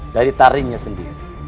dari tarinya sendiri